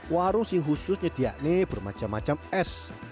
warung sing khususnya diakni bermacam macam es